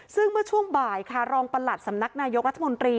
ซึ่งเมื่อช่วงบ่ายค่ะรองประหลัดสำนักนายกรัฐมนตรี